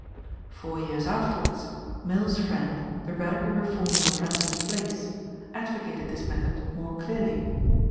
Four years afterwards, Mill's friend, the Radical reformer, Francis Place, advocated this method more clearly.